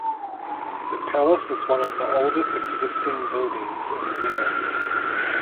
The palace is one of the oldest existing buildings in Venice.